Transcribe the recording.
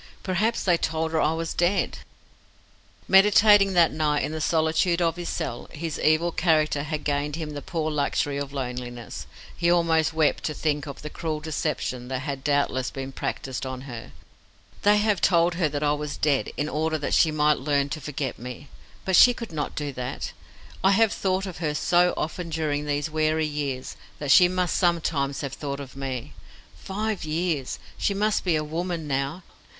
Perhaps they told her that I was dead." Meditating that night in the solitude of his cell his evil character had gained him the poor luxury of loneliness he almost wept to think of the cruel deception that had doubtless been practised on her. "They have told her that I was dead, in order that she might learn to forget me; but she could not do that. I have thought of her so often during these weary years that she must sometimes have thought of me. Five years! She must be a woman now.